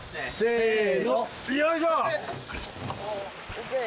・ＯＫ・